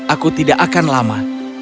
aku tidak akan lama